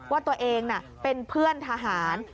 ว่าตัวเองเป็นเพื่อนทหาร